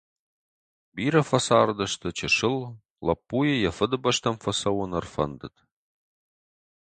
Бирӕ фӕцардысты, чысыл — лӕппуйы йӕ фыдыбӕстӕм фӕцӕуын ӕрфӕндыд.